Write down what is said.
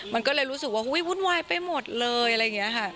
มันก็เลยรู้สึกว่าวุ่นวายไปหมดเลยอะไรอย่างนี้ค่ะ